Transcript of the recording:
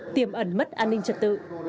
tiềm ẩn mất an ninh trật tự